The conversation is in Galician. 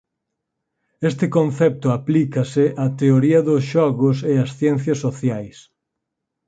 Este concepto aplícase á teoría dos xogos e as ciencias sociais.